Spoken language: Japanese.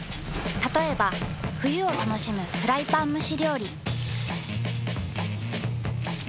たとえば冬を楽しむフライパン蒸し料理。